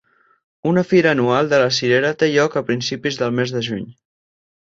Una fira anual de la cirera té lloc a principis del mes de juny.